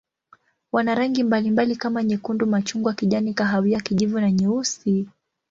Wana rangi mbalimbali kama nyekundu, machungwa, kijani, kahawia, kijivu na nyeusi.